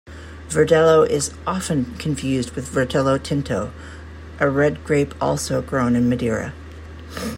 Verdelho is often confused with Verdelho Tinto, a red grape also grown in Madeira.